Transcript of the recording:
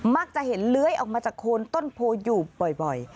มักจะเห็นเลื้อยออกมาจากโคนต้นโพอยู่บ่อย